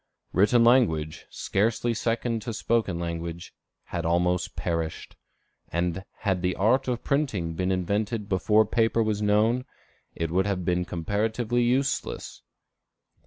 Written language, scarcely second to spoken language, had almost perished; and had the art of printing been invented before paper was known, it would have been comparatively useless.